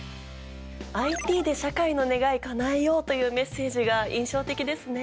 「ＩＴで、社会の願い叶えよう。」というメッセージが印象的ですね。